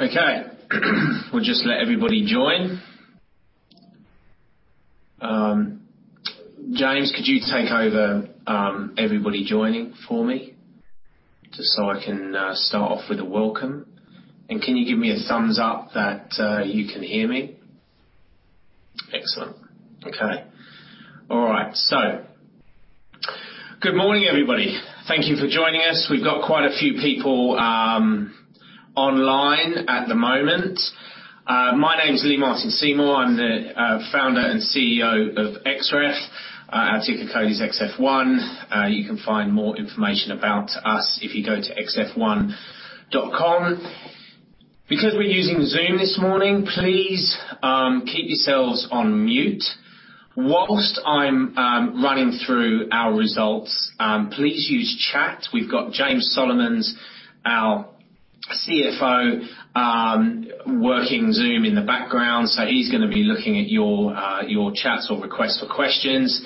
Okay. We'll just let everybody join. James, could you take over everybody joining for me? Just so I can start off with a welcome. Can you give me a thumbs up that you can hear me? Excellent. Okay. All right, good morning, everybody. Thank you for joining us. We've got quite a few people online at the moment. My name is Lee-Martin Seymour. I'm the Founder and CEO of Xref. Our ticker code is XF1. You can find more information about us if you go to xf1.com. Because we're using Zoom this morning, please keep yourselves on mute. While I'm running through our results, please use chat. We've got James Solomons, our CFO, working Zoom in the background, he's gonna be looking at your chats or requests for questions.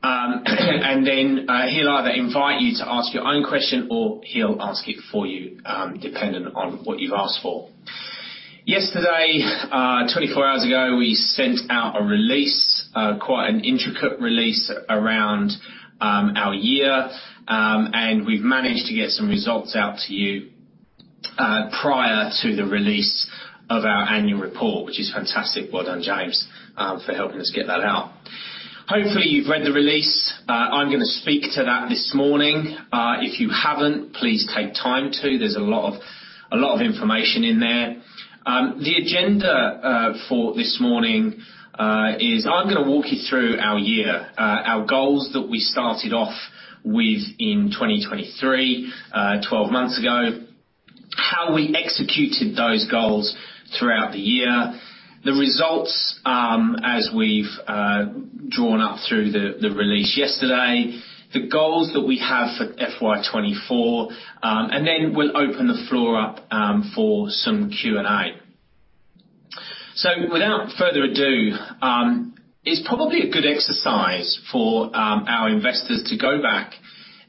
He'll either invite you to ask your own question, or he'll ask it for you, depending on what you've asked for. Yesterday, 24 hours ago, we sent out a release, quite an intricate release around our year. We've managed to get some results out to you prior to the release of our annual report, which is fantastic. Well done, James, for helping us get that out. Hopefully, you've read the release. I'm gonna speak to that this morning. If you haven't, please take time to. There's a lot of information in there. The agenda for this morning is I'm gonna walk you through our year, our goals that we started off with in 2023, 12 months ago, how we executed those goals throughout the year, the results, as we've drawn up through the release yesterday, the goals that we have for FY 2024. We'll open the floor up for some Q&A. Without further ado, it's probably a good exercise for our investors to go back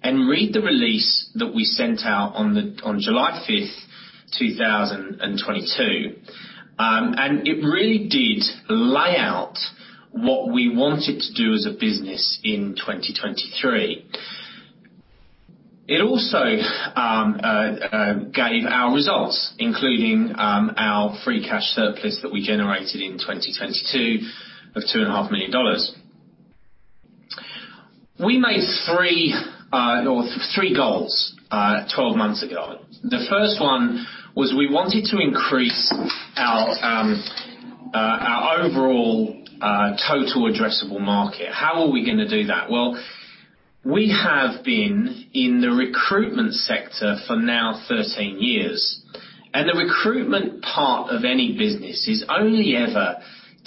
and read the release that we sent out on July 5th, 2022. It really did lay out what we wanted to do as a business in 2023. It also gave our results, including our free cash surplus that we generated in 2022 of 2.5 million dollars. We made three goals 12 months ago. The first one was we wanted to increase our overall total addressable market. How are we gonna do that? Well, we have been in the recruitment sector for now 13 years, and the recruitment part of any business is only ever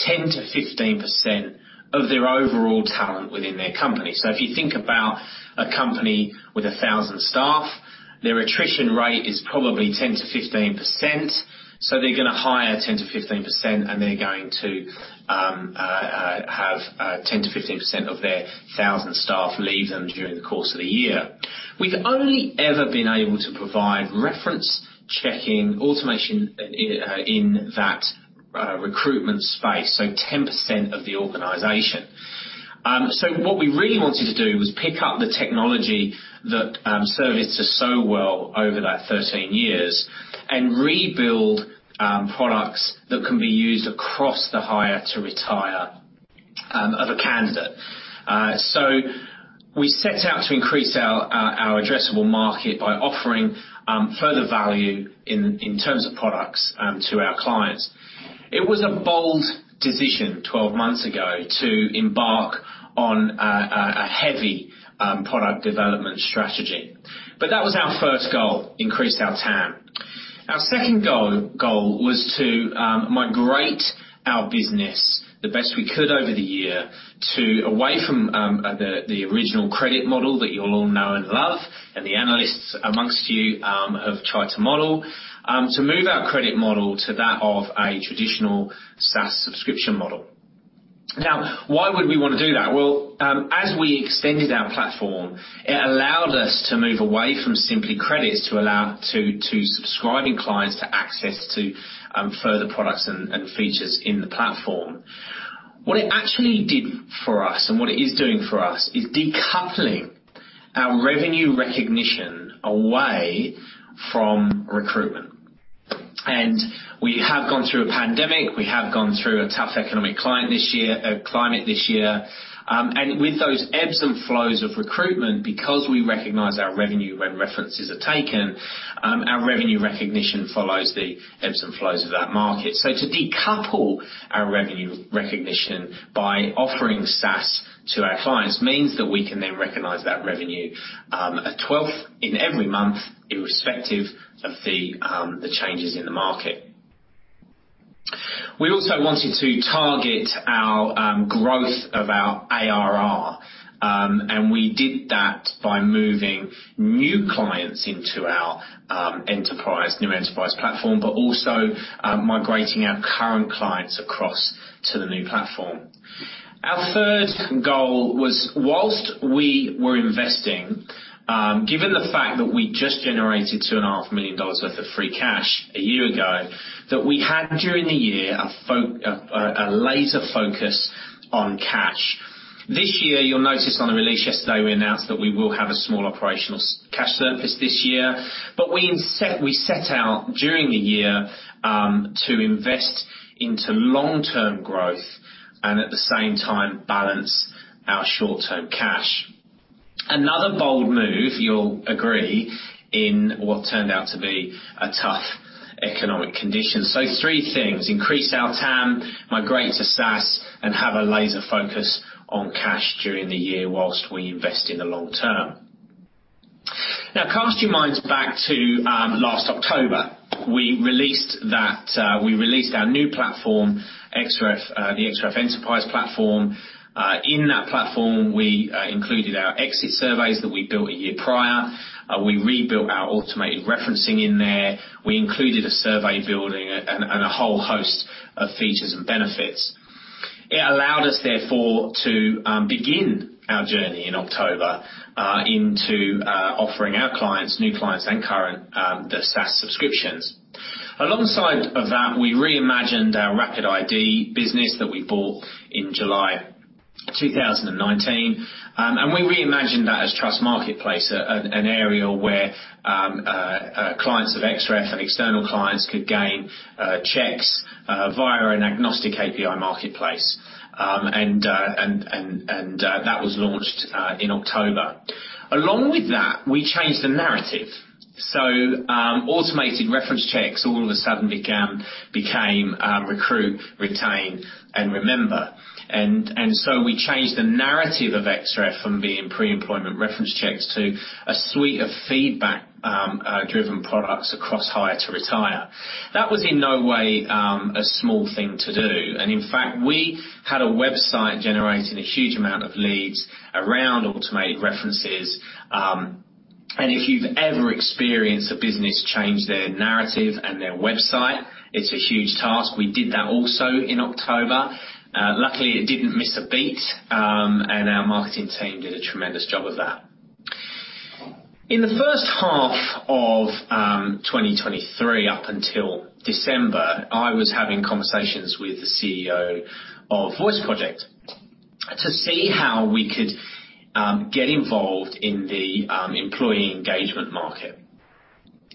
10%-15% of their overall talent within their company. If you think about a company with 1,000 staff, their attrition rate is probably 10%-15%, so they're gonna hire 10%-15%, and they're going to have 10%-15% of their 1,000 staff leave them during the course of the year. We've only ever been able to provide reference checking automation in that recruitment space, so 10% of the organization. What we really wanted to do was pick up the technology that served us so well over that 13 years and rebuild products that can be used across the hire to retire of a candidate. We set out to increase our addressable market by offering further value in terms of products to our clients. It was a bold decision 12 months ago to embark on a heavy product development strategy. That was our first goal: increase our TAM. Our second goal was to migrate our business the best we could over the year away from the original credit model that you'll all know and love, and the analysts amongst you have tried to model, to move our credit model to that of a traditional SaaS subscription model. Why would we want to do that? Well, as we extended our platform, it allowed us to move away from simply credits to allow subscribing clients to access further products and features in the platform. What it actually did for us, and what it is doing for us, is decoupling our revenue recognition away from recruitment. We have gone through a pandemic, we have gone through a tough economic climate this year. With those ebbs and flows of recruitment, because we recognize our revenue when references are taken, our revenue recognition follows the ebbs and flows of that market. To decouple our revenue recognition by offering SaaS to our clients means that we can then recognize that revenue, a twelfth in every month, irrespective of the changes in the market. We also wanted to target our growth of our ARR. We did that by moving new clients into our new Enterprise platform, also migrating our current clients across to the new platform. Our third goal was, whilst we were investing, given the fact that we just generated two and a half million dollars worth of free cash a year ago, that we had, during the year, a laser focus on cash. This year, you'll notice on the release yesterday, we announced that we will have a small operational cash surplus this year. We set out during the year to invest into long-term growth and at the same time, balance our short-term cash. Another bold move, you'll agree, in what turned out to be a tough economic condition. Three things: increase our TAM, migrate to SaaS, and have a laser focus on cash during the year whilst we invest in the long term. Cast your minds back to last October. We released our new platform, Xref, the Xref Enterprise platform. In that platform, we included our exit surveys that we built a year prior. We rebuilt our automated referencing in there. We included a survey building and a whole host of features and benefits. It allowed us, therefore, to begin our journey in October, into offering our clients, new clients and current, the SaaS subscriptions. Alongside of that, we reimagined our RapidID business that we bought in July 2019, and we reimagined that as Trust Marketplace, an area where clients of Xref and external clients could gain checks via an agnostic API marketplace. That was launched in October. Along with that, we changed the narrative. Automated reference checks all of a sudden became Recruit, Retain, and Remember. We changed the narrative of Xref from being pre-employment reference checks to a suite of feedback driven products across hire to retire. That was in no way a small thing to do, and in fact, we had a website generating a huge amount of leads around automated references. If you've ever experienced a business change their narrative and their website, it's a huge task. We did that also in October. Luckily, it didn't miss a beat, and our marketing team did a tremendous job of that. In the first half of 2023, up until December, I was having conversations with the CEO of Voice Project, to see how we could get involved in the employee engagement market.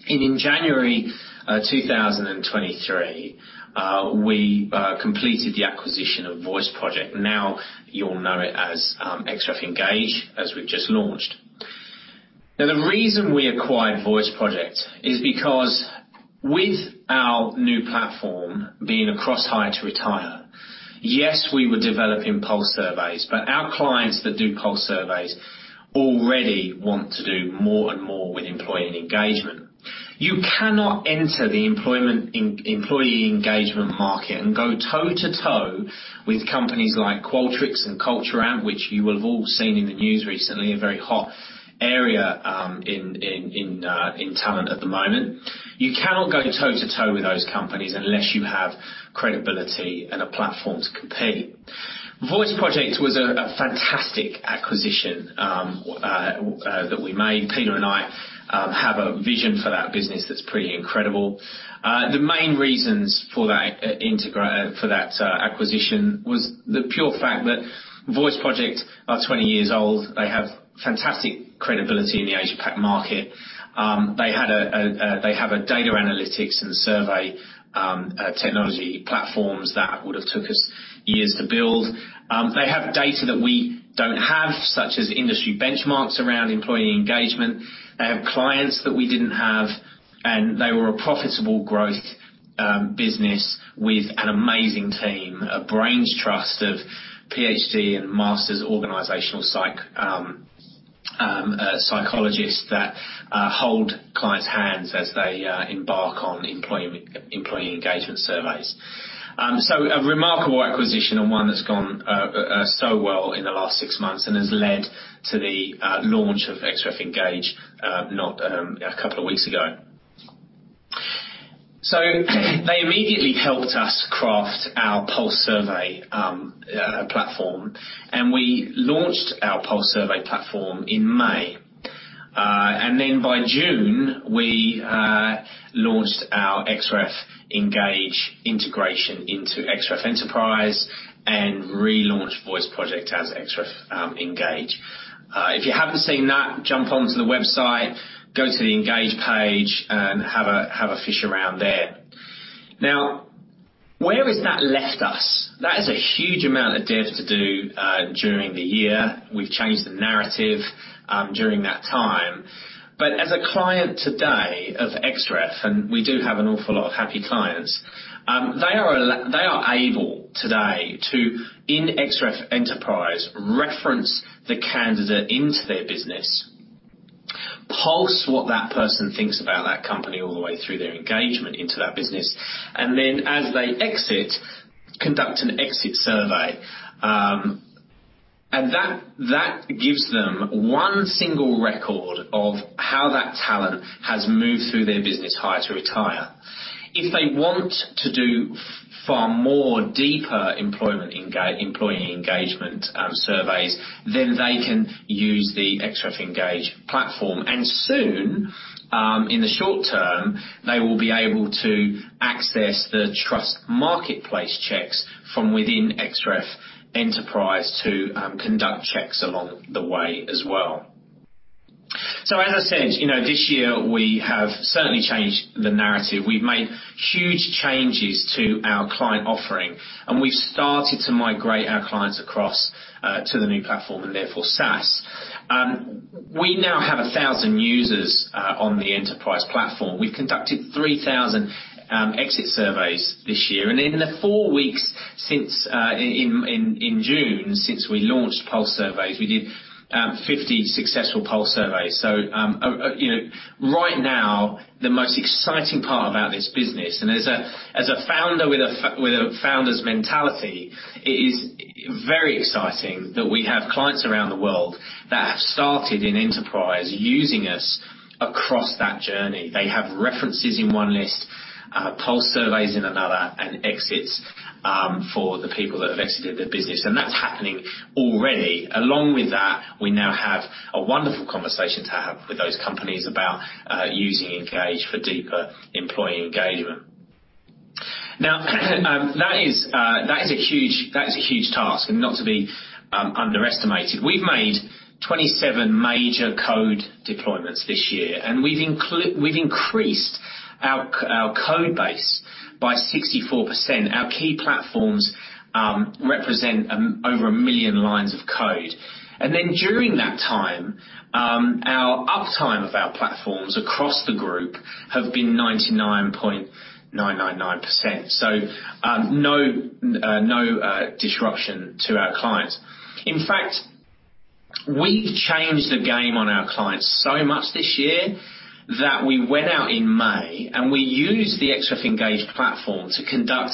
In January 2023, we completed the acquisition of Voice Project. Now, you'll know it as Xref Engage, as we've just launched. The reason we acquired Voice Project is because with our new platform being across hire to retire, yes, we were developing pulse surveys, but our clients that do pulse surveys already want to do more and more with employee engagement. You cannot enter the employment employee engagement market and go toe-to-toe with companies like Qualtrics and Culture Amp, which you will have all seen in the news recently, a very hot area in talent at the moment. You cannot go toe-to-toe with those companies unless you have credibility and a platform to compete. Voice Project was a fantastic acquisition that we made. Peter and I have a vision for that business that's pretty incredible. The main reasons for that acquisition was the pure fact that Voice Project are 20 years old. They have fantastic credibility in the Asia Pac market. They have a data analytics and survey technology platforms that would have took us years to build. They have data that we don't have, such as industry benchmarks around employee engagement. They have clients that we didn't have, and they were a profitable growth business with an amazing team, a brains trust of PhD and Master's organizational psych psychologists that hold clients' hands as they embark on employee engagement surveys. A remarkable acquisition and one that's gone so well in the last six months and has led to the launch of Xref Engage, not a couple of weeks ago. They immediately helped us craft our pulse survey platform, and we launched our pulse survey platform in May. Then by June, we launched our Xref Engage integration into Xref Enterprise and relaunched Voice Project as Xref Engage. If you haven't seen that, jump onto the website, go to the Engage page, and have a, have a fish around there. Where has that left us? That is a huge amount of dev to do during the year. We've changed the narrative during that time. As a client today of Xref, and we do have an awful lot of happy clients, they are able today to, in Xref Enterprise, reference the candidate into their business, pulse what that person thinks about that company all the way through their engagement into that business. As they exit, conduct an exit survey. That gives them one single record of how that talent has moved through their business, hire to retire. If they want to do far more deeper employee engagement surveys, they can use the Xref Engage platform. Soon, in the short term, they will be able to access the Trust Marketplace checks from within Xref Enterprise to conduct checks along the way as well. As I said, you know, this year we have certainly changed the narrative. We've made huge changes to our client offering, and we've started to migrate our clients across to the new platform and therefore SaaS. We now have 1,000 users on the Enterprise platform. We've conducted 3,000 exit surveys this year, and in the four weeks since in June, since we launched pulse surveys, we did 50 successful pulse surveys. You know, right now, the most exciting part about this business, and as a, as a founder with a founder's mentality, it is very exciting that we have clients around the world that have started in Enterprise, using us across that journey. They have references in one list, pulse surveys in another, and exits for the people that have exited the business, and that's happening already. Along with that, we now have a wonderful conversation to have with those companies about using Engage for deeper employee engagement. Now, that is a huge task and not to be underestimated. We've made 27 major code deployments this year, and we've increased our code base by 64%. Our key platforms represent over 1 million lines of code. During that time, our uptime of our platforms across the group have been 99.999%. No disruption to our clients. In fact, we've changed the game on our clients so much this year, that we went out in May, and we used the Xref Engage platform to conduct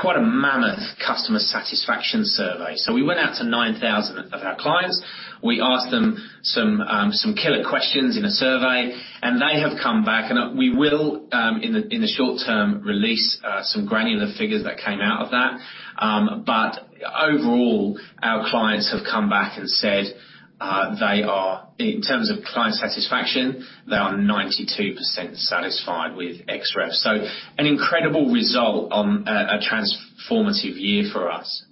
quite a mammoth customer satisfaction survey. We went out to 9,000 of our clients. We asked them some killer questions in a survey, and they have come back. We will, in the short term, release some granular figures that came out of that. Overall, our clients have come back and said, in terms of client satisfaction, they are 92% satisfied with Xref. An incredible result on a transformative year for us.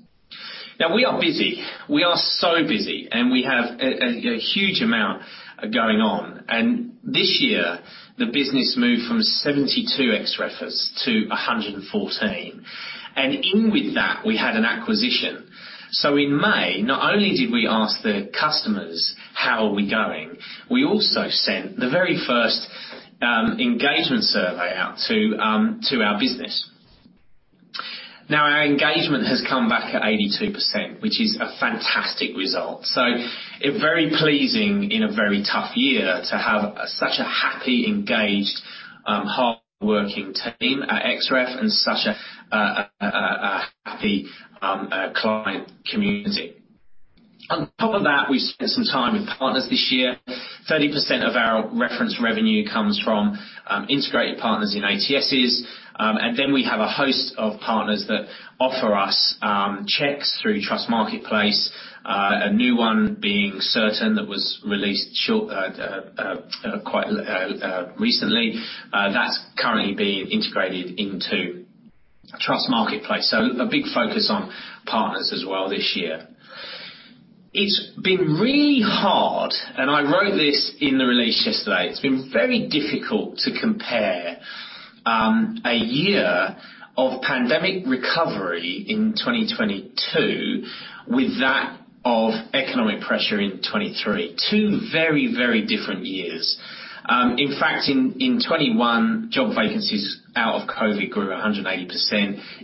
We are busy. We are so busy, and we have a huge amount going on. This year, the business moved from 72 Xrefs to 114, and in with that, we had an acquisition. In May, not only did we ask the customers, "How are we going?" We also sent the very first engagement survey out to our business. Our engagement has come back at 82%, which is a fantastic result. A very pleasing in a very tough year to have such a happy, engaged, hardworking team at Xref and such a happy client community. On top of that, we've spent some time with partners this year. 30% of our reference revenue comes from integrated partners in ATS. We have a host of partners that offer us checks through Trust Marketplace. A new one being Certn, that was released quite recently. That's currently being integrated into Trust Marketplace. A big focus on partners as well this year. It's been really hard, and I wrote this in the release yesterday. It's been very difficult to compare a year of pandemic recovery in 2022 with that of economic pressure in 2023. Two very, very different years. In fact, in 2021, job vacancies out of COVID grew 180%.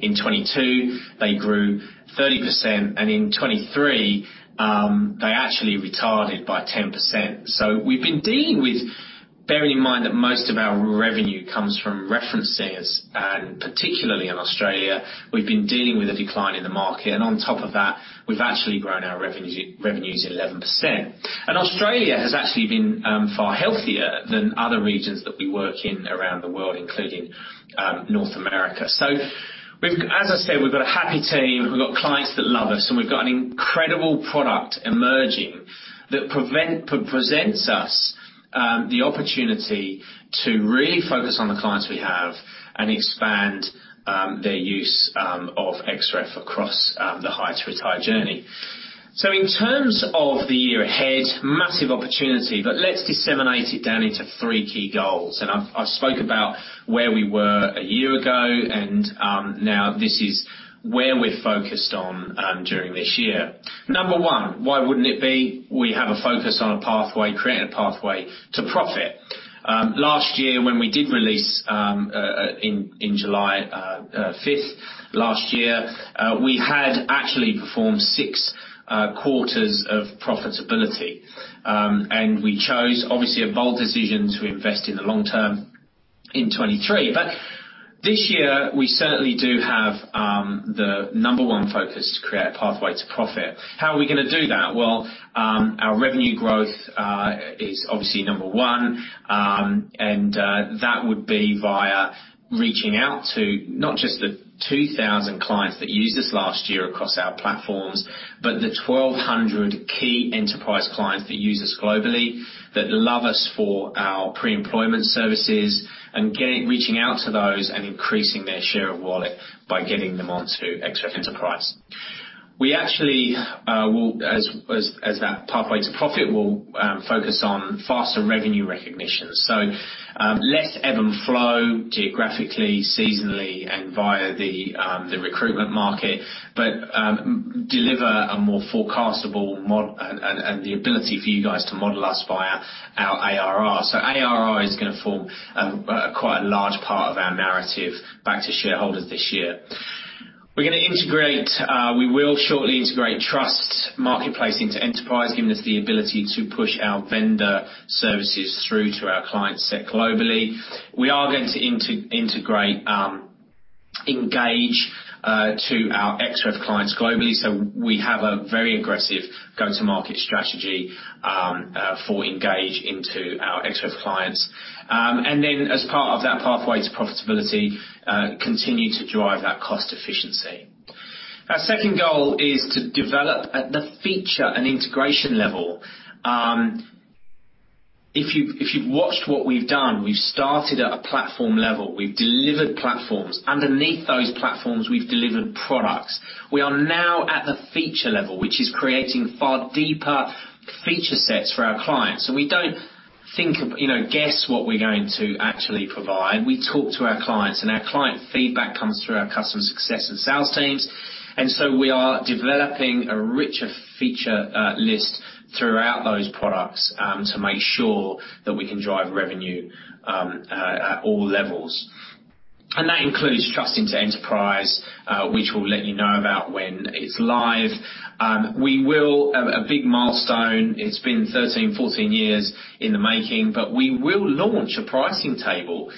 In 2022, they grew 30%, in 2023, they actually retarded by 10%. Bearing in mind that most of our revenue comes from referencers, and particularly in Australia, we've been dealing with a decline in the market, on top of that, we've actually grown our revenue, revenues 11%. Australia has actually been far healthier than other regions that we work in around the world, including North America. As I said, we've got a happy team, we've got clients that love us, and we've got an incredible product emerging that presents us the opportunity to really focus on the clients we have and expand their use of Xref across the hire to retire journey. In terms of the year ahead, massive opportunity, but let's disseminate it down into 3 key goals. I've spoke about where we were a year ago, and now this is where we're focused on during this year. Number one, why wouldn't it be? We have a focus on a pathway, creating a pathway to profit. Last year, when we did release in July 5th last year, we had actually performed six quarters of profitability. We chose, obviously, a bold decision to invest in the long term in 2023. This year, we certainly do have the number 1 focus to create a pathway to profit. How are we gonna do that? Well, our revenue growth is obviously number one, and that would be via reaching out to not just the 2,000 clients that used us last year across our platforms, but the 1,200 key enterprise clients that use us globally, that love us for our pre-employment services, and reaching out to those and increasing their share of wallet by getting them onto Xref Enterprise. We actually will, as that pathway to profit, will focus on faster revenue recognition. Less ebb and flow geographically, seasonally, and via the recruitment market, but deliver a more forecastable and the ability for you guys to model us via our ARR. ARR is gonna form quite a large part of our narrative back to shareholders this year. We're gonna integrate We will shortly integrate Trust Marketplace into Enterprise, giving us the ability to push our vendor services through to our client set globally. We are going to integrate Engage to our Xref clients globally. We have a very aggressive go-to-market strategy for Engage into our Xref clients. As part of that pathway to profitability, continue to drive that cost efficiency. Our second goal is to develop at the feature and integration level. If you've watched what we've done, we've started at a platform level. We've delivered platforms. Underneath those platforms, we've delivered products. We are now at the feature level, which is creating far deeper feature sets for our clients. We don't think, you know, guess what we're going to actually provide. We talk to our clients. Our client feedback comes through our customer success and sales teams. We are developing a richer feature list throughout those products, to make sure that we can drive revenue at all levels. That includes Trust into Enterprise, which we'll let you know about when it's live. We will. A big milestone, it's been 13, 14 years in the making. We will launch a pricing table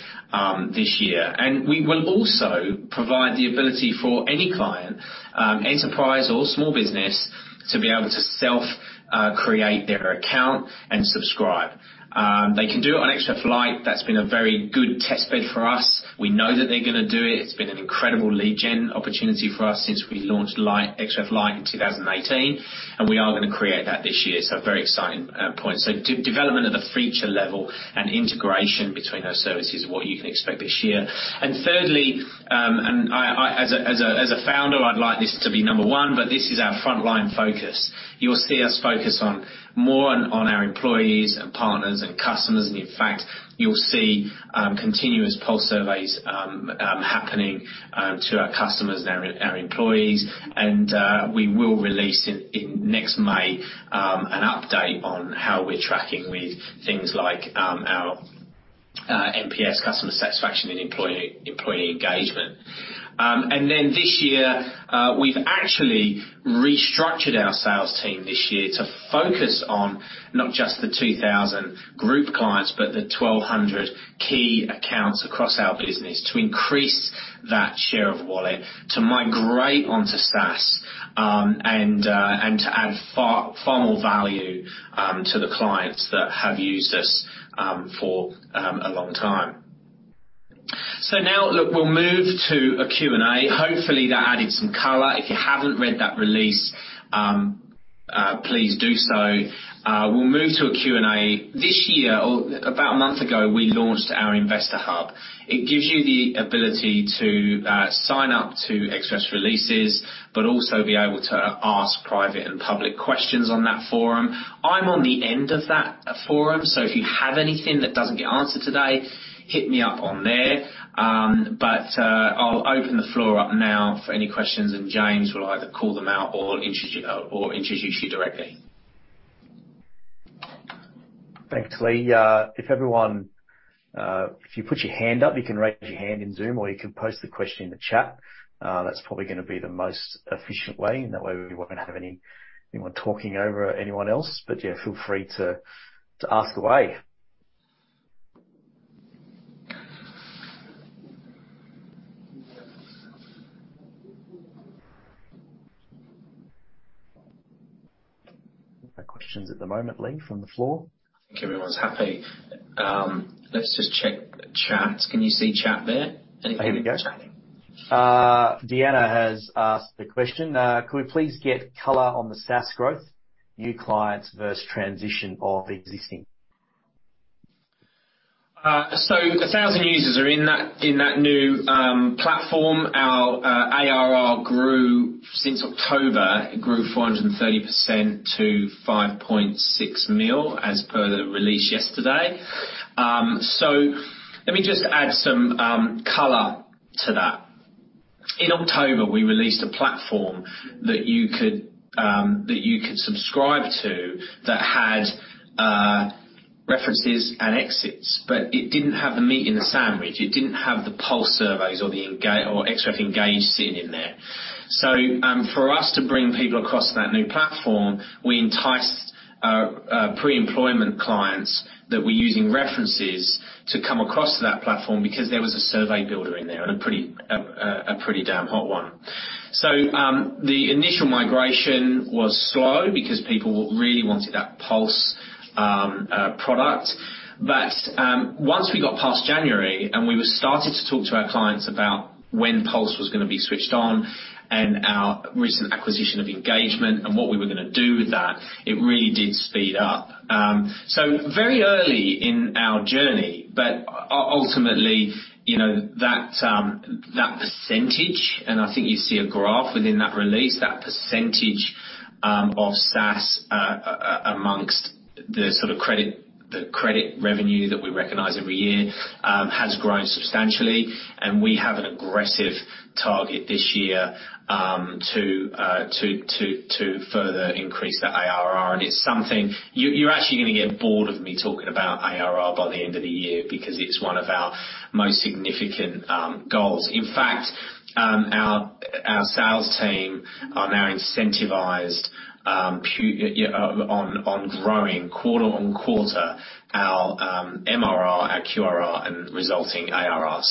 this year. We will also provide the ability for any client, Enterprise or small business, to be able to self create their account and subscribe. They can do it on Xref Lite. That's been a very good test bed for us. We know that they're gonna do it. It's been an incredible lead gen opportunity for us since we launched Lite, Xref Lite in 2018. We are gonna create that this year. Very exciting point. Development at the feature level and integration between those services is what you can expect this year. Thirdly, I, as a founder, I'd like this to be number one, but this is our frontline focus. You will see us focus more on our employees and partners and customers. You'll see continuous pulse surveys happening to our customers and our employees. We will release in next May an update on how we're tracking with things like our NPS customer satisfaction and employee engagement. This year, we've actually restructured our sales team this year to focus on not just the 2,000 group clients, but the 1,200 key accounts across our business to increase that share of wallet, to migrate onto SaaS, and to add far more value to the clients that have used us for a long time. Look, we'll move to a Q&A. Hopefully, that added some color. If you haven't read that release, please do so. We'll move to a Q&A. This year, or about a month ago, we launched our Investor Hub. It gives you the ability to sign up to Xref releases, but also be able to ask private and public questions on that forum. I'm on the end of that forum, so if you have anything that doesn't get answered today, hit me up on there. I'll open the floor up now for any questions, and James will either call them out or intro you, or introduce you directly. Thanks, Lee. If everyone, if you put your hand up, you can raise your hand in Zoom, or you can post the question in the chat. That's probably gonna be the most efficient way. That way, we won't have any, anyone talking over anyone else. Yeah, feel free to ask away. No questions at the moment, Lee, from the floor. Think everyone's happy. Let's just check chat. Can you see chat there? Anything in the chat? Here we go. Deanna has asked the question: "Could we please get color on the SaaS growth, new clients versus transition of existing? A thousand users are in that, in that new platform. Our ARR grew since October. It grew 430% to 5.6 million, as per the release yesterday. Let me just add some color to that. In October, we released a platform that you could subscribe to, that had references and exits, but it didn't have the meat in the sandwich. It didn't have the pulse surveys or Xref Engage sitting in there. For us to bring people across to that new platform, we enticed our pre-employment clients that were using references to come across to that platform because there was a survey builder in there, and a pretty damn hot one. The initial migration was slow because people really wanted that Pulse product. Once we got past January, and we were starting to talk to our clients about when Pulse was gonna be switched on and our recent acquisition of Engagement and what we were gonna do with that, it really did speed up. Very early in our journey, but ultimately, you know, that %, and I think you see a graph within that release, that % of SaaS amongst the sort of credit, the credit revenue that we recognize every year, has grown substantially, and we have an aggressive target this year to further increase the ARR. It's something. You, you're actually gonna get bored of me talking about ARR by the end of the year because it's one of our most significant goals. In fact, our sales team are now incentivized, yeah, on growing quarter on quarter our MRR, our QRR, and resulting ARR.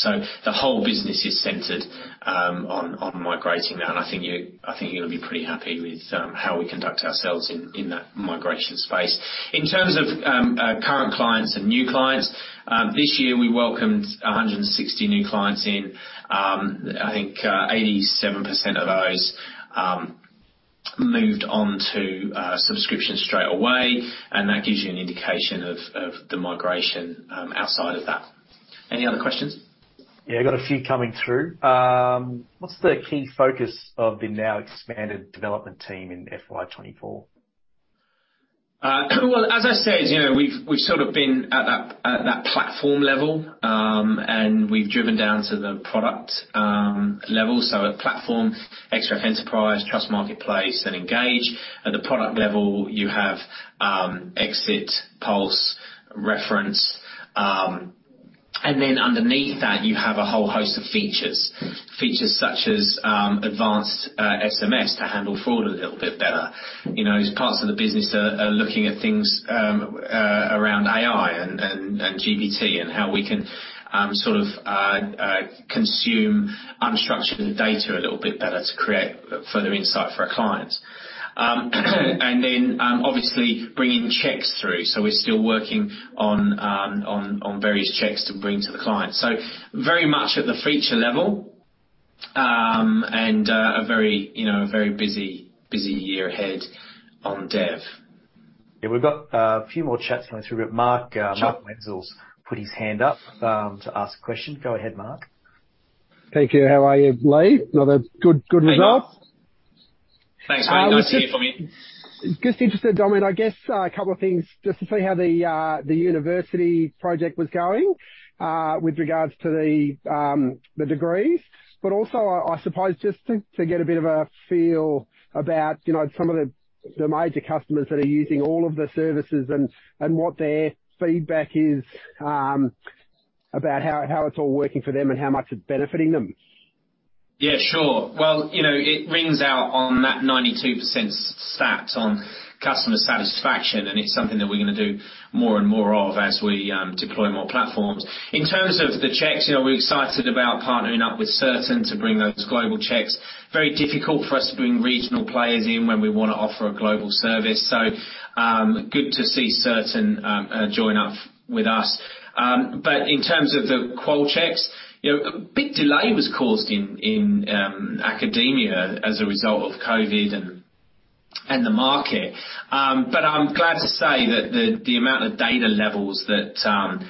The whole business is centered on migrating that, and I think you, I think you're gonna be pretty happy with how we conduct ourselves in that migration space. In terms of current clients and new clients, this year, we welcomed 160 new clients in. I think 87% of those moved on to subscription straight away, and that gives you an indication of the migration outside of that. Any other questions? Yeah, I got a few coming through. What's the key focus of the now expanded development team in FY 2024? Well, as I said, you know, we've sort of been at that platform level, and we've driven down to the product level, so a platform, Xref Enterprise, Trust Marketplace, and Engage. At the product level, you have Exit, Pulse, Reference, and then underneath that, you have a whole host of features. Features such as advanced SMS to handle fraud a little bit better. You know, there's parts of the business that are looking at things around AI and GPT and how we can sort of consume unstructured data a little bit better to create further insight for our clients. Obviously bringing checks through. We're still working on various checks to bring to the client. Very much at the feature level, and a very, you know, a very busy year ahead on dev. Yeah, we've got a few more chats coming through, but Mark. Sure. Mark Wenzel's put his hand up to ask a question. Go ahead, Mark. Thank you. How are you, Lee? Another good result. Thanks. How are you going for me? Just interested, Dominic, I guess, a couple of things, just to see how the university project was going, with regards to the degrees, but also I suppose just to get a bit of a feel about, you know, some of the major customers that are using all of the services and what their feedback is, about how it's all working for them and how much it's benefiting them. Yeah, sure. Well, you know, it rings out on that 92% stat on customer satisfaction, and it's something that we're gonna do more and more of as we deploy more platforms. In terms of the checks, you know, we're excited about partnering up with Certn to bring those global checks. Very difficult for us to bring regional players in when we want to offer a global service. Good to see Certn join up with us. In terms of the qual checks, you know, a big delay was caused in academia as a result of COVID and the market. I'm glad to say that the amount of data levels that,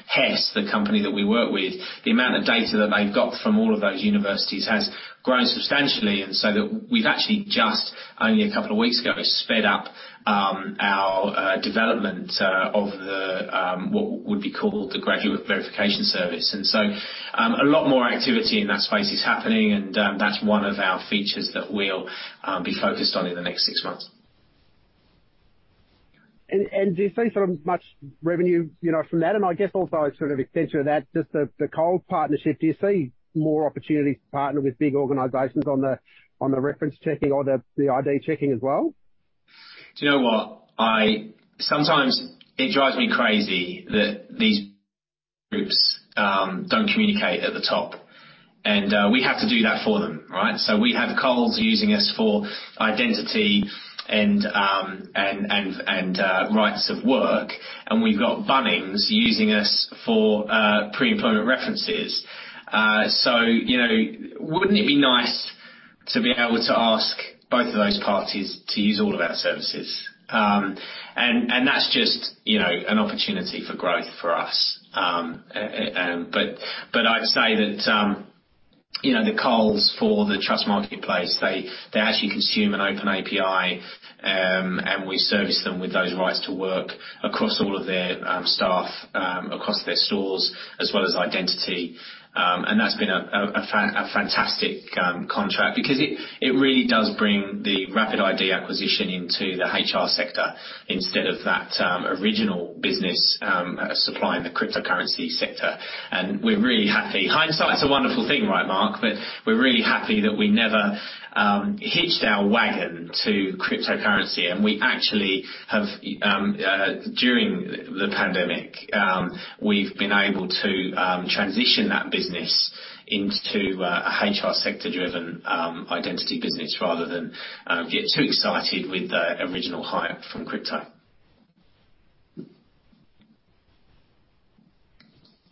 HES, the company that we work with, the amount of data that they've got from all of those universities has grown substantially, and so that we've actually just, only a couple of weeks ago, sped up, our development of the, what would be called the Graduate Verification Service. A lot more activity in that space is happening, and, that's one of our features that we'll be focused on in the next six months. Do you see sort of much revenue, you know, from that? I guess also sort of extension to that, just the Coles partnership, do you see more opportunities to partner with big organizations on the reference checking or the ID checking as well? Do you know what? Sometimes it drives me crazy that these groups don't communicate at the top, we have to do that for them, right? We have Coles using us for identity and rights of work, and we've got Bunnings using us for pre-employment references. You know, wouldn't it be nice to be able to ask both of those parties to use all of our services? That's just, you know, an opportunity for growth for us. I'd say that. You know, the Coles for the Trust Marketplace, they actually consume an open API, and we service them with those rights to work across all of their staff across their stores, as well as identity. That's been a fantastic contract because it really does bring the RapidID acquisition into the HR sector instead of that original business supplying the cryptocurrency sector. We're really happy. Hindsight's a wonderful thing, right, Mark? We're really happy that we never hitched our wagon to cryptocurrency, and we actually have during the pandemic, we've been able to transition that business into a HR sector-driven identity business, rather than get too excited with the original hype from crypto.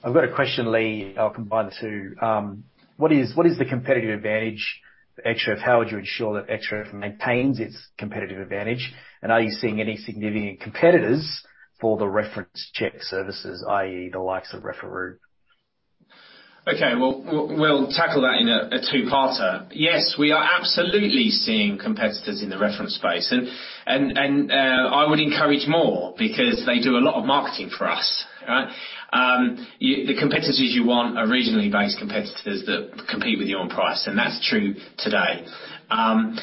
I've got a question, Lee. I'll combine the two. What is the competitive advantage for Xref? How would you ensure that Xref maintains its competitive advantage? Are you seeing any significant competitors for the reference check services, i.e., the likes of Referoo? Okay, well, we'll tackle that in a two-parter. Yes, we are absolutely seeing competitors in the reference space, and I would encourage more because they do a lot of marketing for us, right? The competitors you want are regionally based competitors that compete with you on price, and that's true today. However,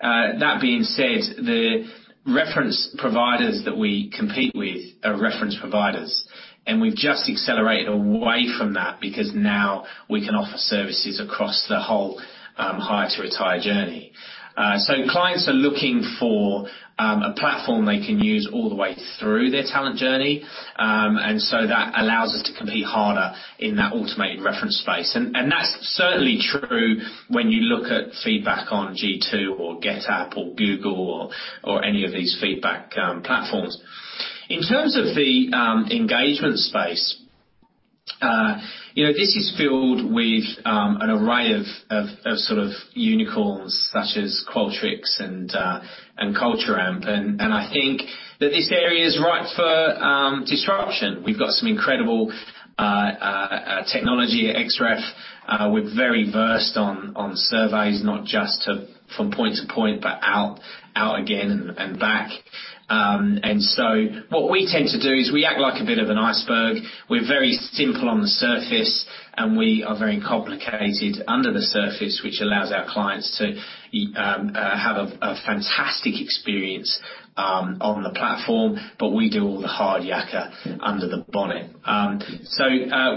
that being said, the reference providers that we compete with are reference providers, and we've just accelerated away from that because now we can offer services across the whole hire-to-retire journey. Clients are looking for a platform they can use all the way through their talent journey. That allows us to compete harder in that automated reference space. That's certainly true when you look at feedback on G2 or GetApp or Google or any of these feedback platforms. In terms of the engagement space, you know, this is filled with an array of sort of unicorns such as Qualtrics and Culture Amp. I think that this area is ripe for disruption. We've got some incredible technology at Xref. We're very versed on surveys, not just from point to point, but out again and back. What we tend to do is we act like a bit of an iceberg. We're very simple on the surface, and we are very complicated under the surface, which allows our clients to have a fantastic experience on the platform, but we do all the hard yakka under the bonnet.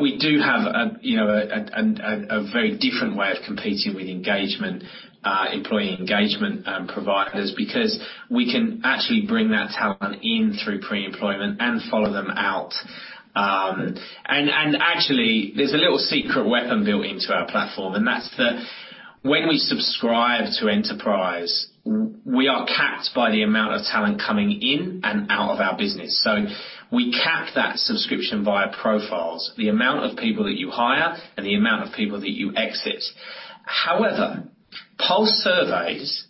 We do have a, you know, a very different way of competing with employee engagement providers, because we can actually bring that talent in through pre-employment and follow them out. Actually, there's a little secret weapon built into our platform, and that's the. When we subscribe to Enterprise, we are capped by the amount of talent coming in and out of our business, so we cap that subscription via profiles, the amount of people that you hire and the amount of people that you exit. However, pulse surveys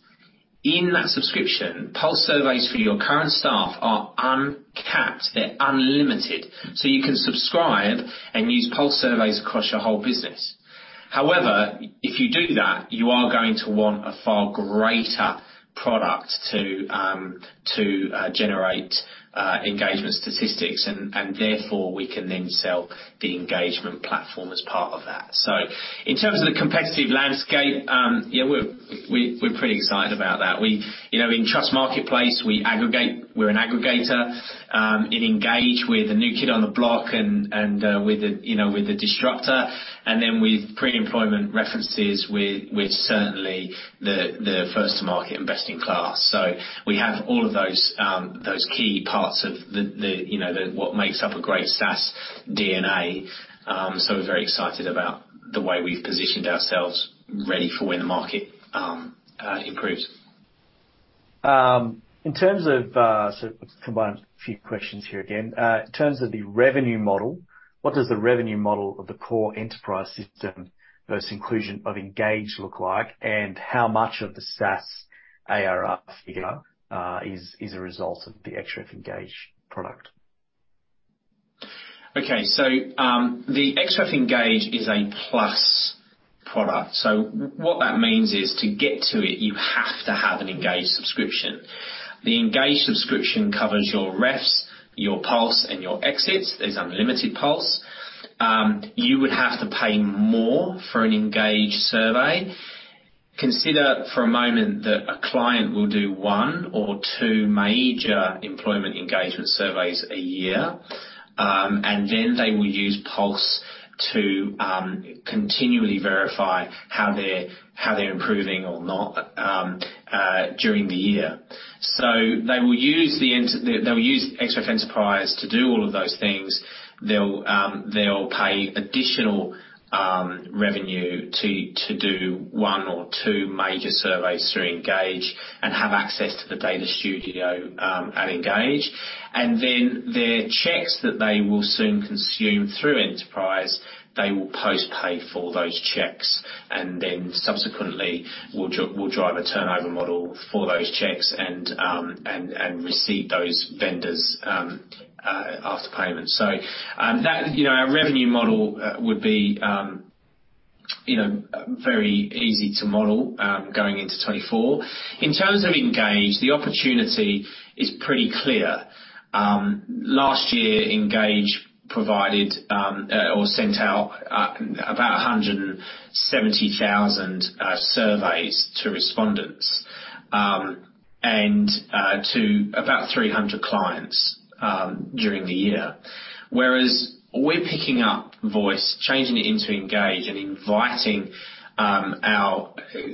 in that subscription, pulse surveys for your current staff are uncapped. They're unlimited. You can subscribe and use pulse surveys across your whole business. However, if you do that, you are going to want a far greater product to generate engagement statistics, and therefore, we can then sell the engagement platform as part of that. In terms of the competitive landscape, yeah, we're pretty excited about that. You know, in Trust Marketplace, we're an aggregator, in Engage, we're the new kid on the block and with the, you know, with the disruptor, and then with pre-employment references, we're certainly the first to market and best in class. We have all of those key parts of the, you know, what makes up a great SaaS DNA. We're very excited about the way we've positioned ourselves ready for when the market improves. Combine a few questions here again. In terms of the revenue model, what does the revenue model of the core enterprise system versus inclusion of Engage look like, and how much of the SaaS ARR figure is a result of the Xref Engage product? Okay, the Xref Engage is a plus product. What that means is, to get to it, you have to have an Engage subscription. The Engage subscription covers your refs, your pulse, and your exits. There's unlimited pulse. You would have to pay more for an Engage survey. Consider for a moment that a client will do one or two major employment engagement surveys a year, and then they will use Pulse to continually verify how they're, how they're improving or not during the year. They will use Xref Enterprise to do all of those things. They'll pay additional revenue to do one or two major surveys through Engage and have access to the Data Studio at Engage. The checks that they will soon consume through Enterprise, they will post-pay for those checks, then subsequently, we'll drive a turnover model for those checks and receive those vendors after payment. That, you know, our revenue model would be, you know, very easy to model going into 2024. In terms of Engage, the opportunity is pretty clear. Last year, Engage provided or sent out about 170,000 surveys to respondents and to about 300 clients during the year. Whereas we're picking up Voice, changing it into Engage, and inviting our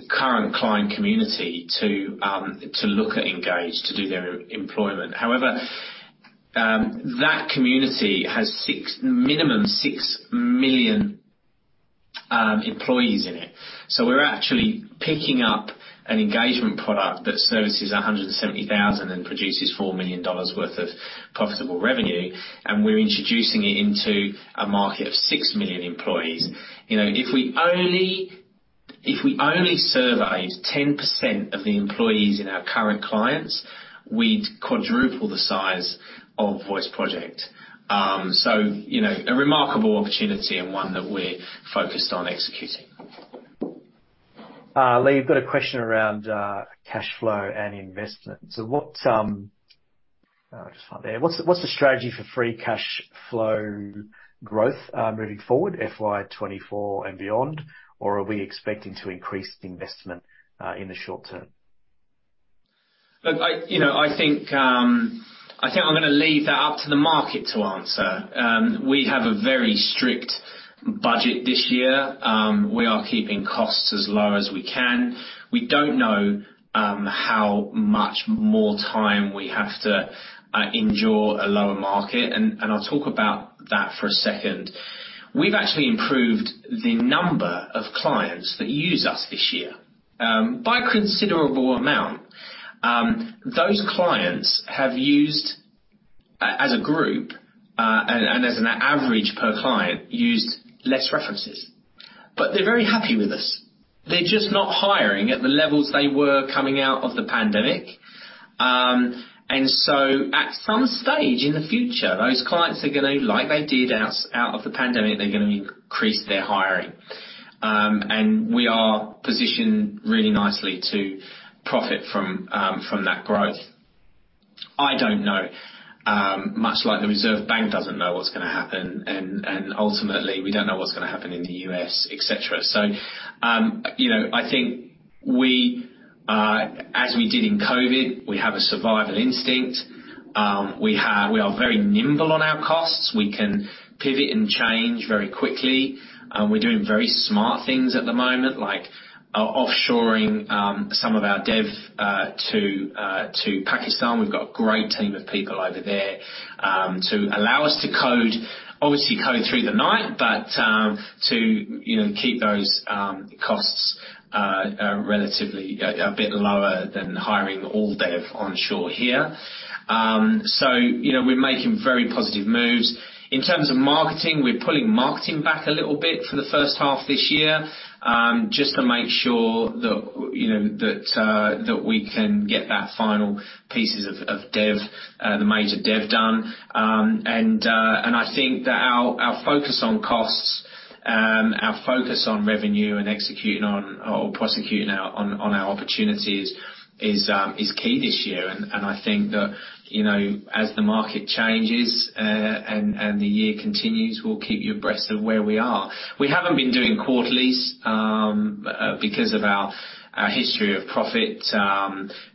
current client community to look at Engage, to do their employment. However, that community has minimum 6 million employees in it. We're actually picking up an engagement product that services 170,000 and produces 4 million dollars worth of profitable revenue, and we're introducing it into a market of 6 million employees. You know, if we only surveyed 10% of the employees in our current clients, we'd quadruple the size of Voice Project. You know, a remarkable opportunity and one that we're focused on executing. Lee, you've got a question around cash flow and investment. What's the strategy for free cash flow growth moving forward, FY 2024 and beyond? Or are we expecting to increase the investment in the short term? Look, I, you know, I think, I think I'm gonna leave that up to the market to answer. We have a very strict budget this year. We are keeping costs as low as we can. We don't know, how much more time we have to endure a lower market, and I'll talk about that for a second. We've actually improved the number of clients that use us this year, by a considerable amount. Those clients have used, as a group, and as an average per client, used less references. They're very happy with us. They're just not hiring at the levels they were coming out of the pandemic. At some stage in the future, those clients are gonna, like they did out of the pandemic, they're gonna increase their hiring. We are positioned really nicely to profit from that growth. I don't know, much like the Reserve Bank doesn't know what's gonna happen, and ultimately, we don't know what's gonna happen in the US, et cetera. You know, I think we, as we did in COVID, we have a survival instinct. We are very nimble on our costs. We can pivot and change very quickly. We're doing very smart things at the moment, like offshoring, some of our dev to Pakistan. We've got a great team of people over there, to allow us to code, obviously code through the night, but, you know, keep those costs relatively a bit lower than hiring all dev onshore here. You know, we're making very positive moves. In terms of marketing, we're pulling marketing back a little bit for the first half this year, just to make sure that, you know, that we can get that final pieces of dev, the major dev done. I think that our focus on costs, our focus on revenue and executing on or prosecuting our opportunities is key this year. I think that, you know, as the market changes, and the year continues, we'll keep you abreast of where we are. We haven't been doing quarterlies because of our history of profit,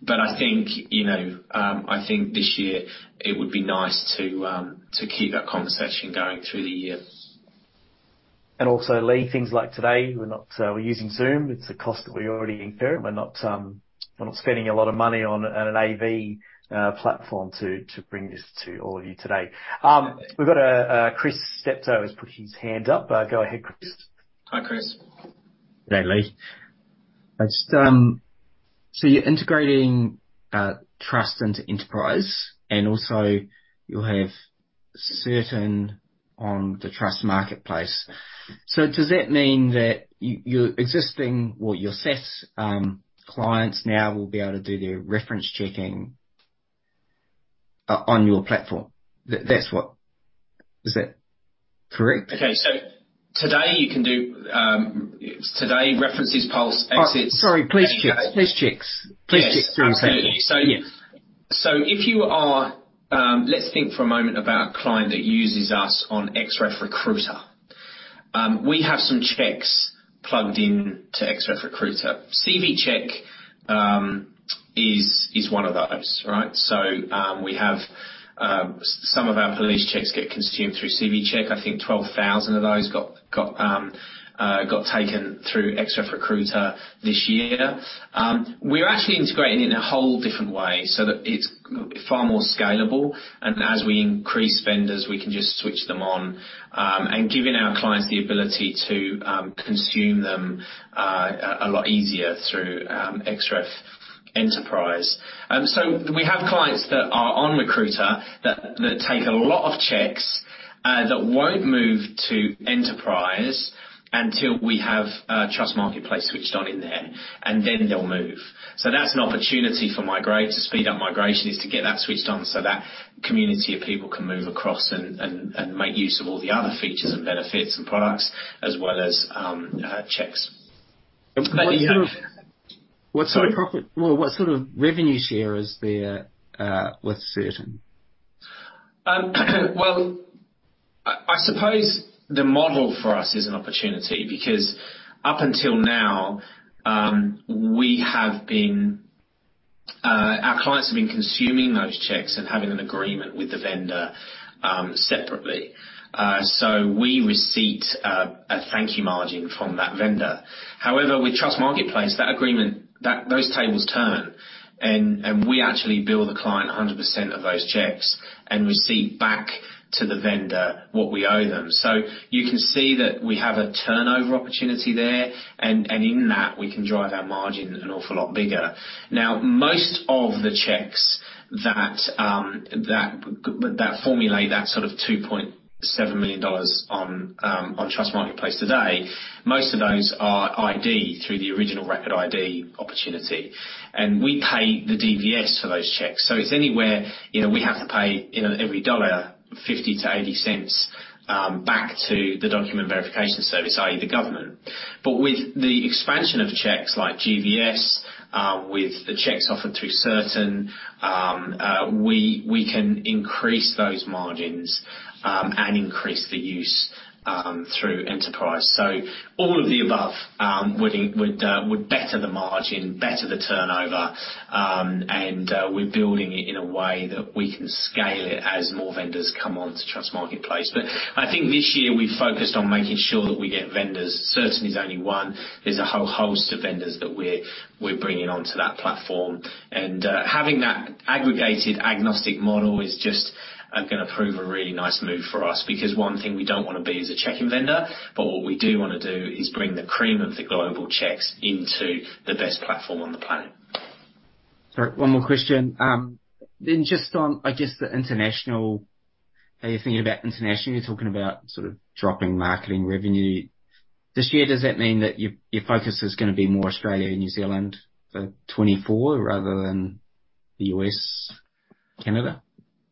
but I think, you know, I think this year it would be nice to keep that conversation going through the year. Also, Lee, things like today, we're not. We're using Zoom. It's a cost that we already incur, and we're not spending a lot of money on an AV platform to bring this to all of you today. We've got Chris Stepto has put his hand up. Go ahead, Chris. Hi, Chris. Hey, Lee. I just. You're integrating Trust into Enterprise, and also you'll have Certn on the Trust Marketplace. Does that mean that your existing, well, your SaaS clients now will be able to do their reference checking on your platform? That's what. Is that correct? Okay, today you can do, today, References, Pulse, Exits. sorry, police checks. Yes. Police checks. Absolutely. Yeah. If you are, let's think for a moment about a client that uses us on Xref Recruiter. We have some checks plugged in to Xref Recruiter. CVCheck is one of those, right? We have some of our police checks get consumed through CVCheck. I think 12,000 of those got taken through Xref Recruiter this year. We're actually integrating in a whole different way so that it's far more scalable, and as we increase vendors, we can just switch them on. Giving our clients the ability to consume them a lot easier through Xref Enterprise. We have clients that are on Recruiter that take a lot of checks, that won't move to Enterprise until we have a Trust Marketplace switched on in there, and then they'll move. That's an opportunity for migrate, to speed up migration, is to get that switched on so that community of people can move across and make use of all the other features and benefits and products, as well as, checks. you know... What sort of profit or what sort of revenue share is there, with Certn? I suppose the model for us is an opportunity, because up until now, we have been. Our clients have been consuming those checks and having an agreement with the vendor, separately. We receipt a thank you margin from that vendor. However, with Trust Marketplace, that agreement, those tables turn, and we actually bill the client 100% of those checks and receipt back to the vendor what we owe them. You can see that we have a turnover opportunity there, and in that, we can drive our margin an awful lot bigger. Most of the checks that formulate that sort of 2.7 million dollars on Trust Marketplace today, most of those are ID through the original RapidID opportunity, and we pay the DVS for those checks. It's anywhere, you know, we have to pay, you know, every dollar, 0.50 to 0.80, back to the Document Verification Service, i.e., the government. With the expansion of checks like GVS, with the checks offered through Certn, we can increase those margins and increase the use through Enterprise. All of the above would better the margin, better the turnover, and we're building it in a way that we can scale it as more vendors come onto Trust Marketplace. I think this year we've focused on making sure that we get vendors. Certn is only one. There's a whole host of vendors that we're bringing onto that platform. Having that aggregated agnostic model is just gonna prove a really nice move for us because one thing we don't want to be is a checking vendor, but what we do want to do is bring the cream of the global checks into the best platform on the planet. Sorry, one more question. just on, I guess, the international. How you're thinking about international, you're talking about sort of dropping marketing revenue. This year, does that mean that your focus is gonna be more Australia and New Zealand for 2024, rather than the U.S., Canada?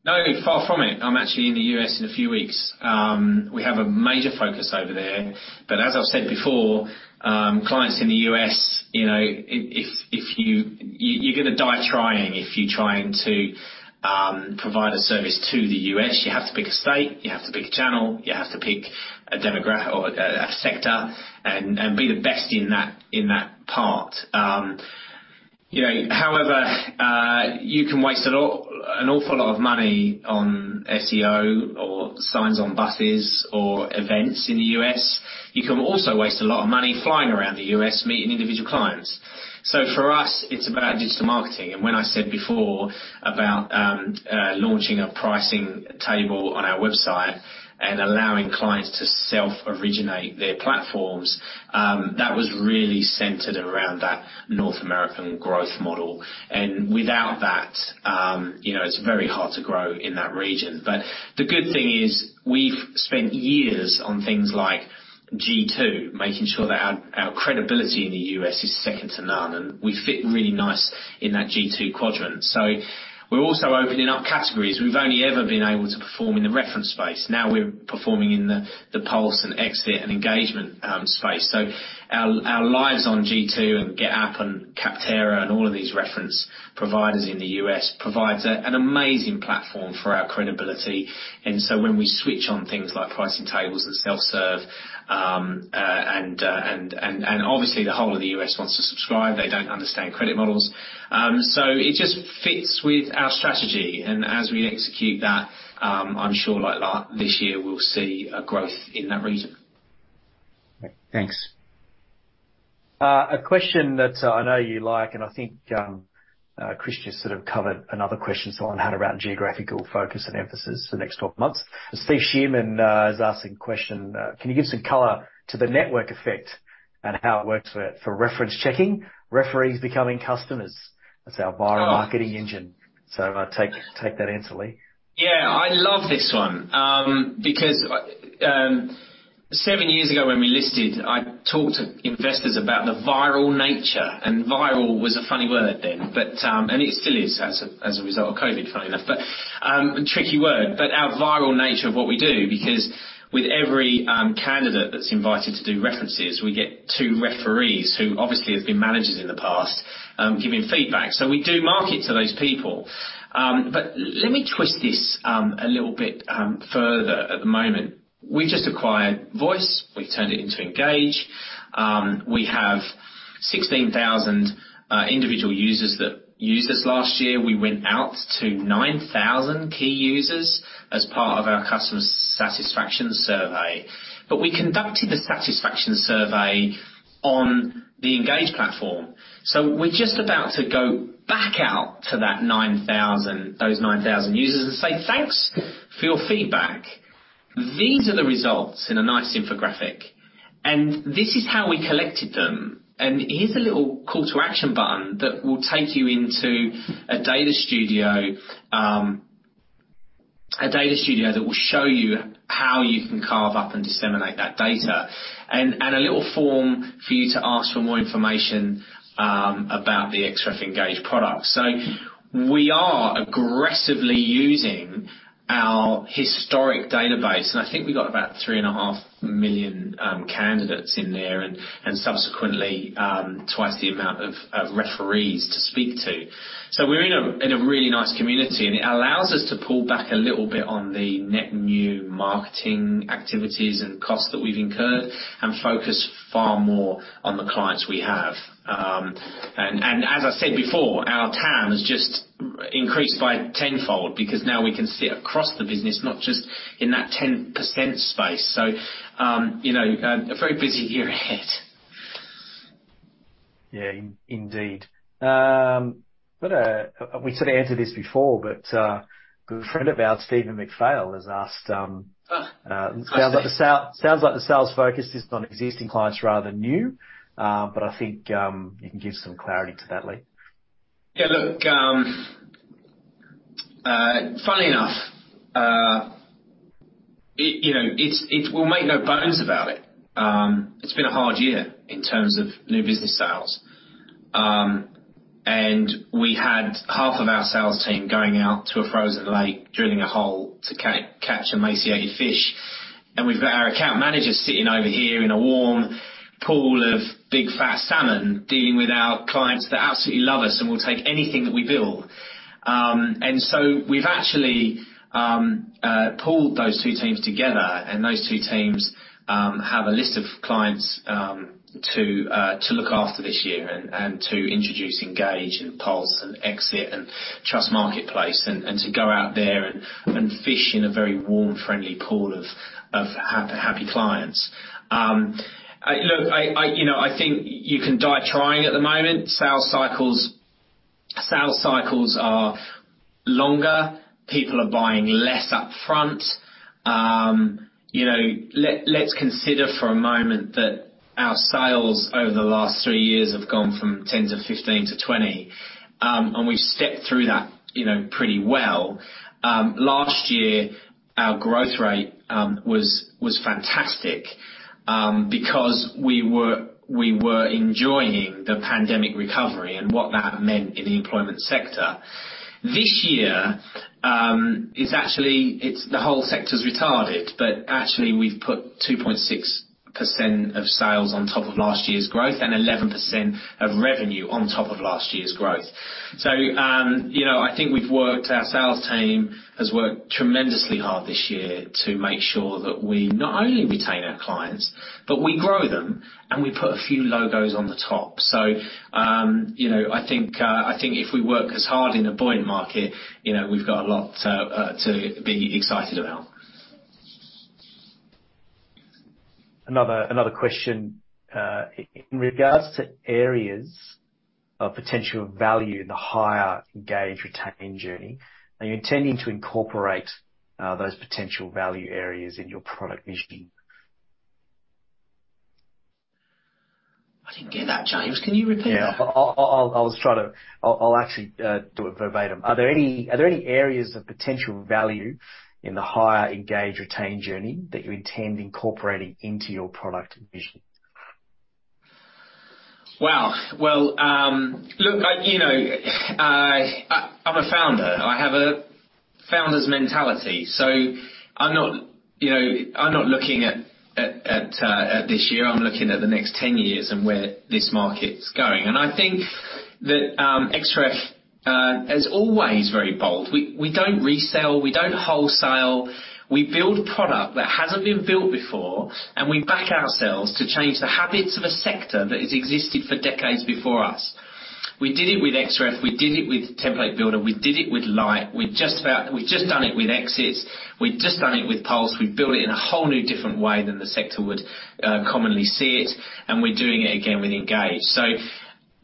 No, far from it. I'm actually in the US in a few weeks. We have a major focus over there. As I've said before, clients in the U.S., you know, if you're gonna die trying if you're trying to provide a service to the U.S. You have to pick a state, you have to pick a channel, you have to pick a demographic or a sector and be the best in that, in that part. You know, however, you can waste an awful lot of money on SEO or signs on buses or events in the U.S. You can also waste a lot of money flying around the US meeting individual clients. For us, it's about digital marketing. When I said before about launching a pricing table on our website and allowing clients to self-originate their platforms, that was really centered around that North American growth model. Without that, you know, it's very hard to grow in that region. The good thing is, we've spent years on things like G2, making sure that our credibility in the U.S. is second to none, and we fit really nice in that G2 quadrant. We're also opening up categories. We've only ever been able to perform in the reference space. Now we're performing in the pulse and exit and engagement space. Our lives on G2 and GetApp and Capterra and all of these reference providers in the U.S., provides an amazing platform for our credibility. When we switch on things like pricing tables that self-serve, and obviously the whole of the U.S. wants to subscribe, they don't understand credit models. It just fits with our strategy. As we execute that, I'm sure like this year, we'll see a growth in that region. Thanks. A question that I know you like, and I think Chris just sort of covered another question, so on how around geographical focus and emphasis the next 12 months. Steve Shearman is asking a question: "Can you give some color to the network effect and how it works for reference checking, referees becoming customers? That's our viral marketing engine. Oh. Take that answer, Lee. Yeah, I love this one, because, seven years ago, when we listed, I talked to investors about the viral nature, and viral was a funny word then, but. It still is, as a result of COVID, funny enough, but, a tricky word. Our viral nature of what we do, because with every candidate that's invited to do references, we get two referees who obviously have been managers in the past, giving feedback. We do market to those people. Let me twist this a little bit further at the moment. We just acquired Voice. We've turned it into Engage. We have 16,000 individual users that used us last year. We went out to 9,000 key users as part of our customer satisfaction survey. We conducted the satisfaction survey on the Engage platform. We're just about to go back out to that 9,000, those 9,000 users and say, "Thanks for your feedback. These are the results in a nice infographic, and this is how we collected them. Here's a little call to action button that will take you into a Data Studio, a Data Studio that will show you how you can carve up and disseminate that data, and a little form for you to ask for more information about the Xref Engage product." We are aggressively using our historic database, and I think we got about 3.5 million candidates in there, and subsequently, twice the amount of referees to speak to. We're in a, in a really nice community, and it allows us to pull back a little bit on the net new marketing activities and costs that we've incurred and focus far more on the clients we have. As I said before, our TAM has just increased by tenfold because now we can see across the business, not just in that 10% space. You know, a very busy year ahead. Yeah, indeed. We sort of answered this before, but a good friend of ours, Stephen McPhail, has asked. I see. Sounds like the sales focus is on existing clients rather than new." I think, you can give some clarity to that, Lee. Funny enough, you know, it's. We'll make no bones about it. It's been a hard year in terms of new business sales. We had half of our sales team going out to a frozen lake, drilling a hole to catch emaciated fish. We've got our account managers sitting over here in a warm pool of big, fat salmon, dealing with our clients that absolutely love us and will take anything that we build. We've actually pulled those two teams together, and those two teams have a list of clients to look after this year and to introduce Engage and Pulse and Exit and Trust Marketplace, and to go out there and fish in a very warm, friendly pool of happy clients. Look, I, you know, I think you can die trying at the moment. Sales cycles are longer. People are buying less upfront. You know, let's consider for a moment that our sales over the last three years have gone from 10 to 15 to 20, and we've stepped through that, you know, pretty well. Last year, our growth rate was fantastic, because we were enjoying the pandemic recovery and what that meant in the employment sector. This year, the whole sector's retarded, but actually, we've put 2.6% of sales on top of last year's growth and 11% of revenue on top of last year's growth. You know, I think we've worked our sales team has worked tremendously hard this year to make sure that we not only retain our clients, but we grow them, and we put a few logos on the top. You know, I think, I think if we work as hard in a buoyant market, you know, we've got a lot to be excited about. Another question. In regards to areas of potential value in the hire, engage, retain journey, are you intending to incorporate, those potential value areas in your product visioning? I didn't get that, James. Can you repeat that? Yeah. I'll actually do it verbatim. Are there any areas of potential value in the hire, engage, retain journey that you intend incorporating into your product vision? Wow. Well, look, I, you know, I, I'm a Founder. I have a founder's mentality, so I'm not, you know, I'm not looking at, at this year. I'm looking at the next 10 years and where this market's going. I think that Xref is always very bold. We, we don't resell, we don't wholesale. We build product that hasn't been built before, and we back ourselves to change the habits of a sector that has existed for decades before us. We did it with Xref, we did it with Template Builder, we did it with Lite. We've just done it with exits. We've just done it with pulse. We've built it in a whole new different way than the sector would commonly see it, and we're doing it again with Engage.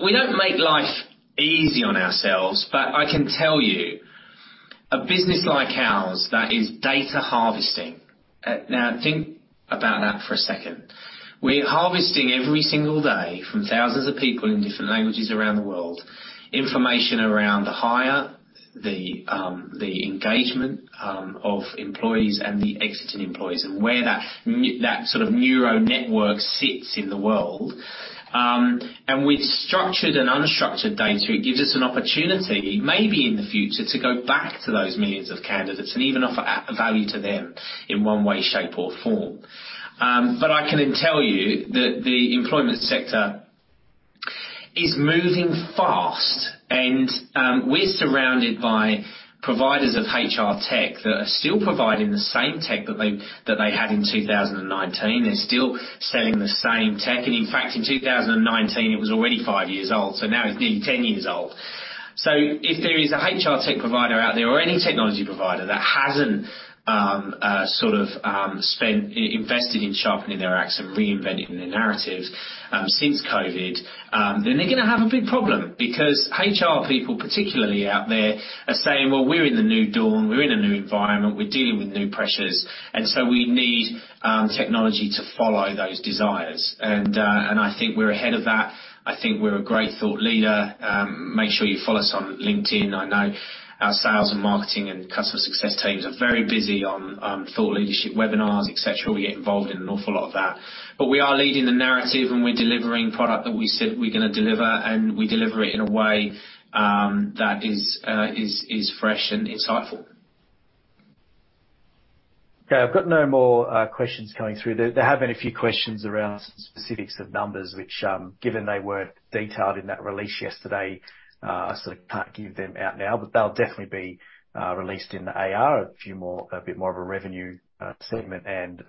We don't make life easy on ourselves, but I can tell you, a business like ours, that is data harvesting. Think about that for a second. We're harvesting every single day from thousands of people in different languages around the world, information around the hire, the engagement of employees and the exiting employees, and where that sort of neural network sits in the world. With structured and unstructured data, it gives us an opportunity, maybe in the future, to go back to those millions of candidates and even offer a value to them in one way, shape, or form. I can then tell you that the employment sector is moving fast, and we're surrounded by providers of HR tech that are still providing the same tech that they had in 2019. They're still selling the same tech, and in fact, in 2019, it was already five years old, so now it's nearly 10 years old. If there is a HR tech provider out there or any technology provider that hasn't, sort of, spent invested in sharpening their ax and reinventing the narrative, since COVID, then they're gonna have a big problem. HR people, particularly out there, are saying, "Well, we're in the new dawn. We're in a new environment. We're dealing with new pressures, and so we need technology to follow those desires." I think we're ahead of that. I think we're a great thought leader. Make sure you follow us on LinkedIn. I know our sales and marketing and customer success teams are very busy on thought leadership webinars, et cetera. We get involved in an awful lot of that. We are leading the narrative, and we're delivering product that we said we're gonna deliver, and we deliver it in a way, that is fresh and insightful. I've got no more questions coming through. There have been a few questions around specifics of numbers, which, given they weren't detailed in that release yesterday, I sort of can't give them out now, but they'll definitely be released in the AR, a bit more of a revenue segment and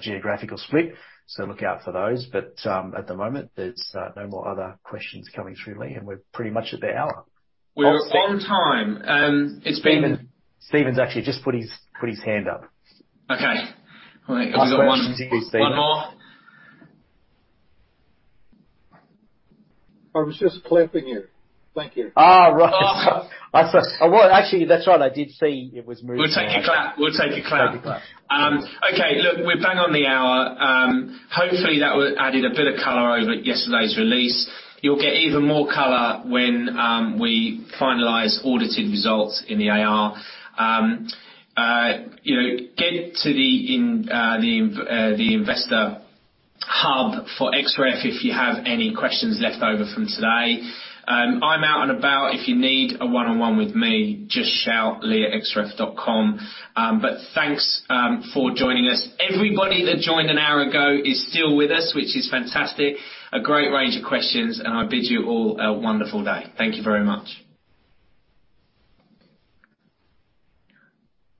geographical split. Look out for those. At the moment, there's no more other questions coming through, Lee, and we're pretty much at the hour. We're on time. Stephen's actually just put his hand up. Okay. All right. We've got. Stephen. One more? I was just clapping you. Thank you. Right. Oh. Well, actually, that's right. I did see it was moving. We'll take a clap. We'll take a clap. Take a clap. Okay. Look, we're bang on the hour. Hopefully, that will added a bit of color over yesterday's release. You'll get even more color when we finalize audited results in the AR. You know, get to the Investor Hub for Xref if you have any questions left over from today. I'm out and about. If you need a one-on-one with me, just shout, lee@xref.com. Thanks for joining us. Everybody that joined an hour ago is still with us, which is fantastic. A great range of questions, I bid you all a wonderful day. Thank you very much.